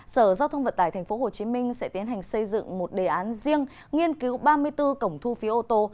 sở giao thông vận tải thành phố hồ chí minh sẽ tiến hành xây dựng một đề án riêng nghiên cứu ba mươi bốn cổng thu phí ô tô